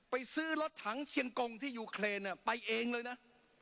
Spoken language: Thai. ไปซื้อรถถังเชียงกงที่ยูเครนไปเองเลยนะ